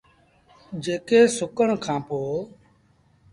جيڪي سُڪڻ کآݩ پو۔